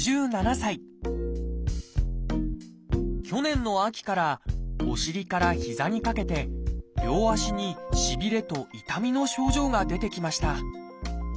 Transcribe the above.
去年の秋からお尻から膝にかけて両足にしびれと痛みの症状が出てきました。